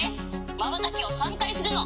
まばたきを３かいするの」。